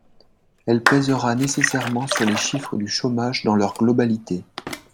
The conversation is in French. Elle pèsera nécessairement sur les chiffres du chômage dans leur globalité.